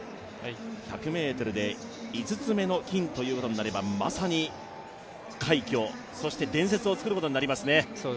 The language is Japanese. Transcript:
１００ｍで５つ目の金ということになれば、まさに快挙、そして伝説を作ることになりますね。